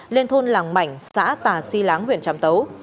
lên thôn làng mảnh xã tà si láng huyện trạm tấu